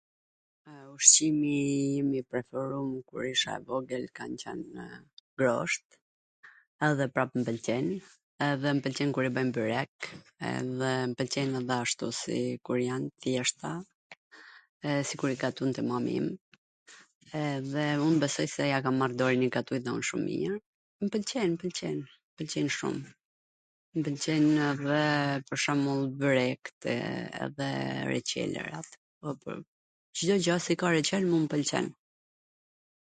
Ushqimi im i preferum kur isha e vogwl kan qwn grosht, edhe prap mw pwlqejn, edhe mw pwlqen kur i bwjm byrek, edhe mw pwlqejn edhe ashtu, kur jan t thjeshta, sikur i gatunte mami im, edhe un besoj se ia kam marr dorwn, i gatuj dhe un shum mir, mw pwlqen, mw pwlqen, mw pwlqen shum... Mw pwlqen pwr shwmbwll byrektw edhe reCelrat, Cdo gja si ka reCel mu m pwlqen...